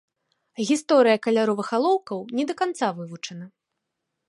Гісторыя каляровых алоўкаў не да канца вывучана.